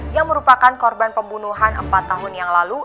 yang merupakan korban pembunuhan empat tahun yang lalu